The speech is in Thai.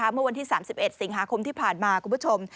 เมื่อวันที่๓๑สิงหาคมที่ผ่านมาคุณผู้ชม